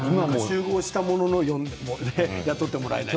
集合したものの雇ってもらえないとか。